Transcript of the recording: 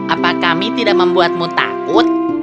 apa kami tidak membuatmu takut